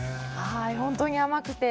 本当に甘くて。